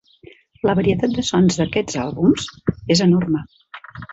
La varietat de sons d'aquests àlbums és enorme.